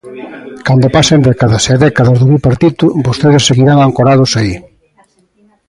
Cando pasen décadas e décadas do Bipartito, vostedes seguirán ancorados aí.